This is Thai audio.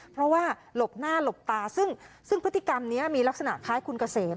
เพราะว่าหลบหน้าหลบตาซึ่งพฤติกรรมนี้มีลักษณะคล้ายคุณเกษม